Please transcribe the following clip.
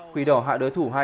quỷ đỏ hạ đối thủ hai